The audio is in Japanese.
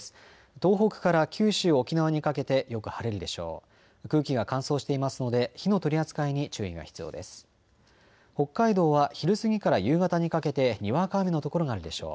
東北から九州沖縄にかけてよく晴れるでしょう。